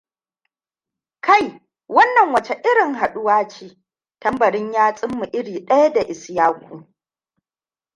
Kai, wannan wace irin haduwa ce! Tambarin yatsunmu iri ɗaya da Ishaku.